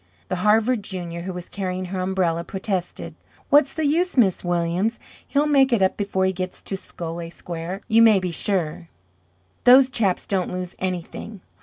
The Harvard junior, who was carrying her umbrella, protested: "What's the use. Miss Williams? He'll make it up before he gets to Scollay Square, you may be sure. Those chaps don't lose anything.